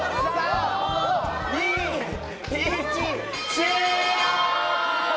終了！